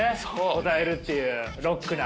答えるっていうロックな。